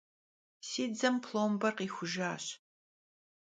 Si dzem plomber khixujjaş.